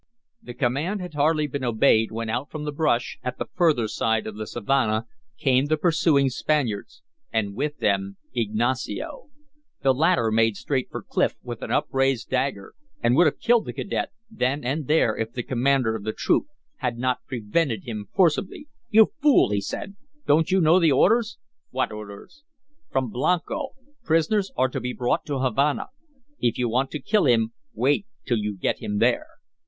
The command had hardly been obeyed when out from the brush at the further side of the savanna came the pursuing Spaniards and with them Ignacio. The latter made straight for Clif with an upraised dagger, and would have killed the cadet then and there if the commander of the troop had not prevented him forcibly. "You fool!" he said, "don't you know the orders?" "What orders?" "From Blanco. Prisoners are to be brought to Havana. If you want to kill him, wait till you get him there."